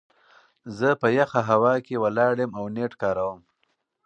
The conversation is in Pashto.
زه په يخه هوا کې ولاړ يم او نيټ کاروم.